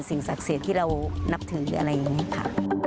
สิ่งศักดิ์เสียที่เรานับถึงอีกค่ะ